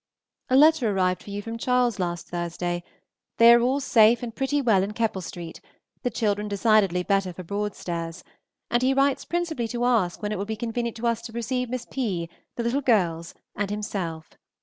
A letter arrived for you from Charles last Thursday. They are all safe and pretty well in Keppel St., the children decidedly better for Broadstairs; and he writes principally to ask when it will be convenient to us to receive Miss P., the little girls, and himself.